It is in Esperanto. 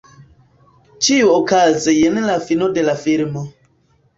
Ĉiuokaze jen la fino de la filmo.